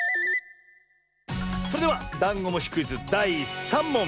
それではダンゴムシクイズだい３もん！